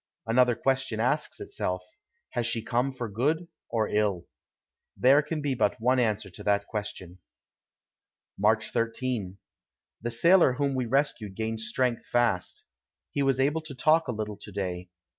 Another question asks itself, Has she come for good or ill? There can be but one answer to that question. March 13. The sailor whom we rescued gains strength fast. He was able to talk a little to day.